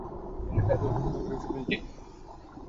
এর সম্পাদক সুনীল জেইন।